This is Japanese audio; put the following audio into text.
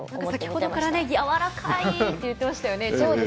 先ほどからやわらかいと言ってましたよね。